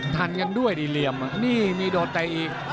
ทันกันด้วยดิเรียมอันนี้มีโดดเติ้ลอีก